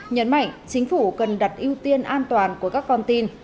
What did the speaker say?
nhấn mạnh chính phủ cần đặt ưu tiên an toàn của các con tin